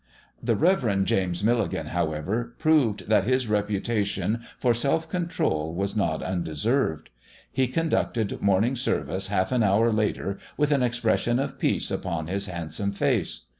The Rev. James Milligan, however, proved that his reputation for self control was not undeserved. He conducted morning service half an hour later with an expression of peace upon his handsome face.